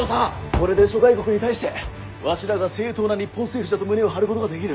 これで諸外国に対してわしらが正統な日本政府じゃと胸を張ることができる。